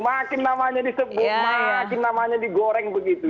makin namanya disebut makin namanya digoreng begitu